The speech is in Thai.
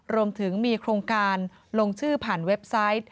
รวมถึงมีโครงการลงชื่อผ่านเว็บไซต์